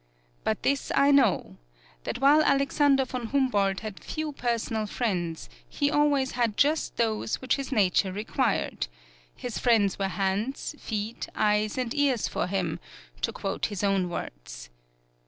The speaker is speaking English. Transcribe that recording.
But this I know, that while Alexander von Humboldt had few personal friends, he always had just those which his nature required his friends were hands, feet, eyes and ears for him, to quote his own words.